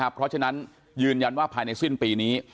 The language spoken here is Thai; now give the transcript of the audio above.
เพราะฉะนั้นยืนยันว่าภายในสิ้นปีนี้